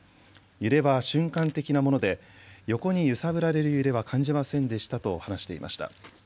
揺れは瞬間的なもので横に揺さぶられる揺れは感じませんでしたと話していました。